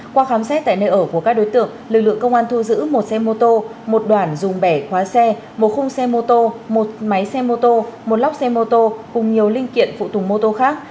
qua khám xét tại nơi ở của các đối tượng lực lượng công an thu giữ một xe mô tô một đoạn dùng bẻ khóa xe một khung xe mô tô một máy xe mô tô một lóc xe mô tô cùng nhiều linh kiện phụ tùng mô tô khác